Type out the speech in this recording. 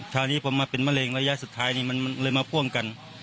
ช่วงนี้ผมเป็นมะเร็งแล้วก็ยาสุดท้ายมันมาพ่วงกัน